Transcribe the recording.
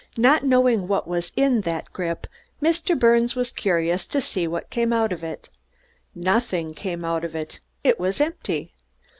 Not knowing what was in that grip Mr. Birnes was curious to see what came out of it. Nothing came out of it it was empty!